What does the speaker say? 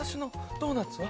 ドーナツは？」